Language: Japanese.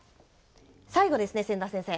最後ですね千田先生。